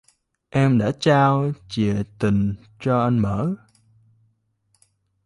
Em đã trao chìa tình cho anh mở